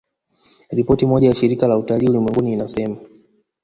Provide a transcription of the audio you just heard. Ripoti moja ya Shirika la Utalii Ulimwenguni inasema